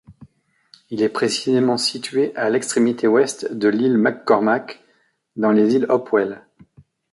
Il est précisément situé à l'extrémité ouest de l'île McCormark, dans les îles Hopewell.